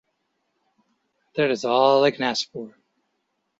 That is all I can ask for.